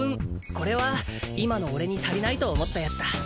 これは今の俺に足りないと思ったやつだ